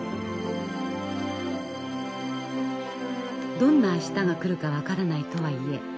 どんな明日が来るか分からないとはいえ